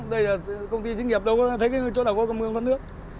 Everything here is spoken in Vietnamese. đây là công ty doanh nghiệp đâu có thấy cái chỗ nào có con mưa nước